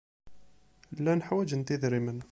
Llant ḥwajent idrimen.